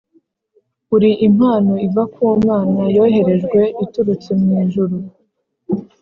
uri impano iva ku mana, yoherejwe iturutse mu ijuru.